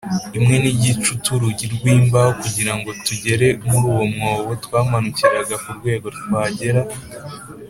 imwe n igice u te urugi rw imbaho kugira ngo tugere muri uwo mwobo twamanukiraga ku rwego twagera